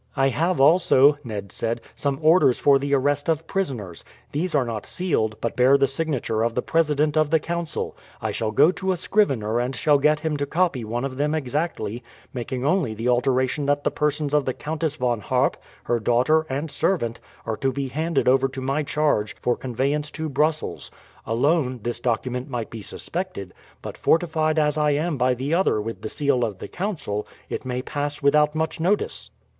"I have also," Ned said, "some orders for the arrest of prisoners. These are not sealed, but bear the signature of the president of the council. I shall go to a scrivener and shall get him to copy one of them exactly, making only the alteration that the persons of the Countess Von Harp, her daughter, and servant are to be handed over to my charge for conveyance to Brussels. Alone, this document might be suspected; but, fortified as I am by the other with the seal of the council, it may pass without much notice."